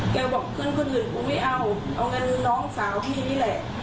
บอกเพื่อนคนอื่นกูไม่เอาเอาเงินน้องสาวพี่นี่แหละ